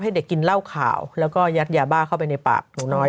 เด็กกินเหล้าขาวแล้วก็ยัดยาบ้าเข้าไปในปากหนูน้อย